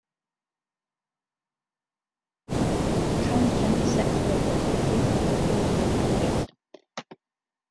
Transgender sex workers are frequently abused by the police.